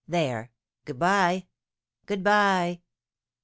There good bye good bye!"